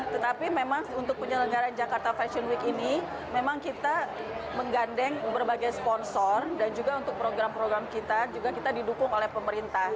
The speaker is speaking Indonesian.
tetapi memang untuk penyelenggaran jakarta fashion week ini memang kita menggandeng berbagai sponsor dan juga untuk program program kita juga kita didukung oleh pemerintah